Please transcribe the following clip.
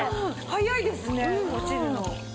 早いですね落ちるの。